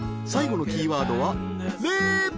最後のキーワードは「れ」］